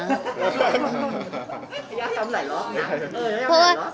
อยากไปทำหลายร้อน